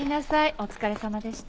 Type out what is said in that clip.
お疲れさまでした。